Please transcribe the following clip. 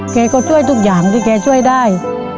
แกก็ช่วยทุกอย่างที่แกช่วยได้